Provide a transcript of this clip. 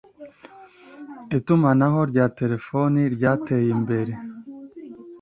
itumanaho rya telefoni ryateyimbere.